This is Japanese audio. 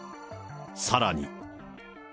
さらに。